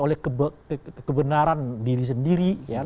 oleh kebenaran diri sendiri